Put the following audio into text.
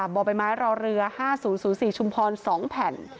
บ่อใบไม้รอเรือ๕๐๐๔ชุมพร๒แผ่น